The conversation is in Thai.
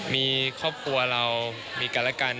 มีครอบครัวเรามีกันและกัน